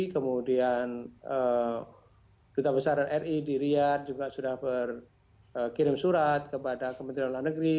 kemudian duta besar ri di riyad juga sudah berkirim surat kepada kementerian luar negeri